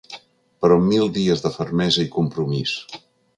Però mil dies de fermesa i compromís.